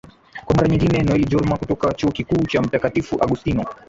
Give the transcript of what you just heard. kwa mara nyingine noeli jorma kutoka chuo kikuu cha mtakatifu agustino